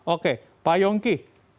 oke pak yongki